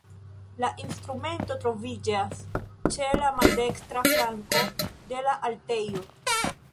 La instrumento troviĝas ĉe la maldekstra flanko de la altarejo.